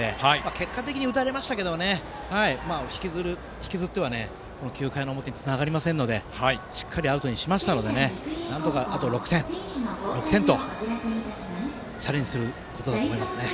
結果的に打たれましたが引きずっては９回の表につながりませんのでしっかりアウトにしましたのでなんとか、あと６点チャレンジすることだと思います。